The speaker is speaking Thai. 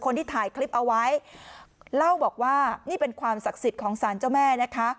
คนที่ถ่ายคลิปเอาไว้เล่าบอกว่านี่เป็นความศักดิ์สิทธิ์ของสารเจ้าแม่นะคะ